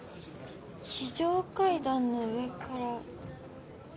非常階段の上から。